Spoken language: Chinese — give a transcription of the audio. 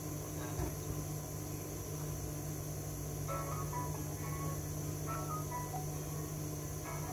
这可能跟程式的设计者林宜敬偏向于听说学习法有关。